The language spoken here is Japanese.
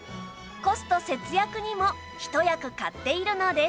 コスト節約にも一役買っているのです